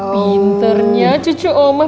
pinternya cucu om baik